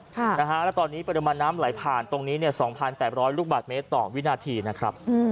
แล้วตอนนี้ปริมาณน้ำไหลผ่านตรงนี้๒๘๐๐ลูกบาทเมตรต่อวินาทีนะครับ